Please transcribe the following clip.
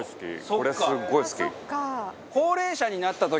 これ、すごい好き。